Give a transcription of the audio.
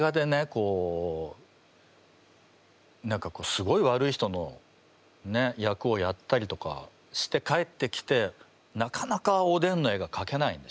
こう何かすごい悪い人のね役をやったりとかして帰ってきてなかなかおでんの絵がかけないんですよ